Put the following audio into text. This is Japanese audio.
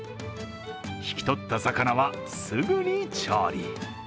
引き取った魚は、すぐに調理。